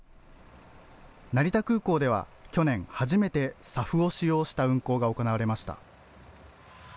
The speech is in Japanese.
成田空港では去年、初めてＳＡＦを使用した運航が行われました。